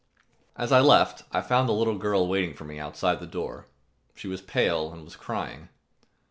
As I left, I found the little girl waiting for me outside the door. She was pale and was crying.